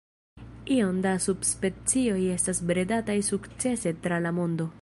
Iom da subspecioj estas bredataj sukcese tra la mondo.